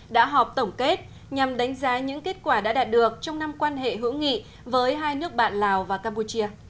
đã họp tổng kết nhằm đánh giá những kết quả đã đạt được trong năm quan hệ hữu nghị với hai nước bạn lào và campuchia